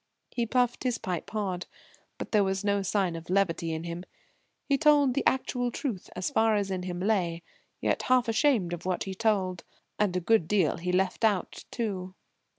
He puffed his pipe hard. But there was no sign of levity in him. He told the actual truth as far as in him lay, yet half ashamed of what he told. And a good deal he left out, too.